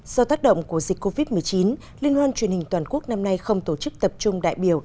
do tác động của dịch covid một mươi chín liên hoan truyền hình toàn quốc năm nay không tổ chức tập trung đại biểu